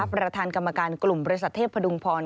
ประธานกรรมการกลุ่มบริษัทเทพดุงพร